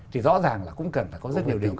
thì rõ ràng là cũng cần phải có rất nhiều điều